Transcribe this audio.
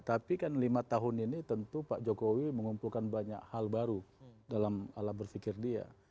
tapi kan lima tahun ini tentu pak jokowi mengumpulkan banyak hal baru dalam ala berfikir dia